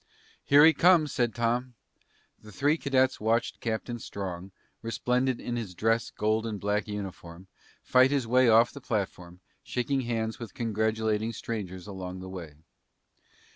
"Here he comes," said Tom. The three cadets watched Captain Strong, resplendent in his dress gold and black uniform, fight his way off the platform, shaking hands with congratulating strangers along the way.